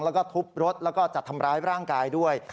แล้วก็ทุบรถแล้วก็จะทำร้ายร่างกายด้วย